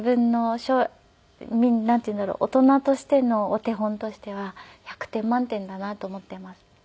大人としてのお手本としては１００点満点だなと思っています。